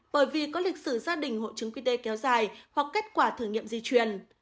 bởi vì có lịch sử gia đình hộ trứng quy tê kéo dài hoặc kết quả thử nghiệm di chuyển